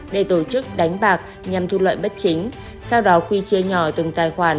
để tổ chức đánh bạc nhằm thu lợi bất chính sau đó quy chia nhỏ từng tài khoản